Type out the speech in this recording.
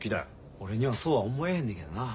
俺にはそうは思えへんのやけどなあ。